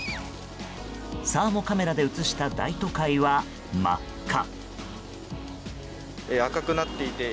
サーモカメラで映した大都会は真っ赤。